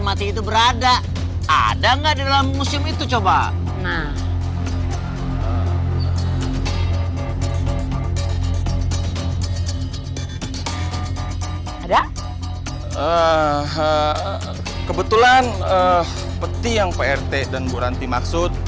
mati itu berada ada enggak dalam musim itu coba ada kebetulan peti yang pak rt dan buranti maksud